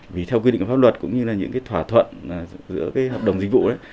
vì theo quy định pháp luật cũng như là những cái thỏa thuận giữa cái hợp đồng dịch vụ đấy